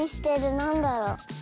なんだろう？